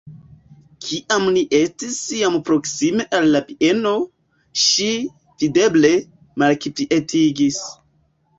Kiam ni estis jam proksime al la bieno, ŝi, videble, malkvietiĝis.